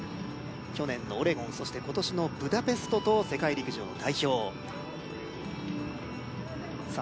去年のオレゴンそして今年のブダペストと世界陸上の代表さあ